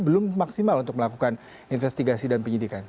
belum maksimal untuk melakukan investigasi dan penyidikan